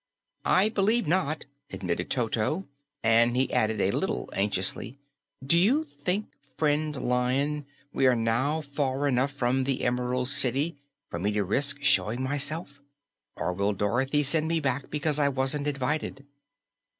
"I believe not," admitted Toto, and he added a little anxiously, "Do you think, friend Lion, we are now far enough from the Emerald City for me to risk showing myself, or will Dorothy send me back because I wasn't invited?"